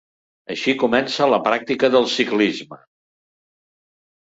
Així comença la pràctica del ciclisme.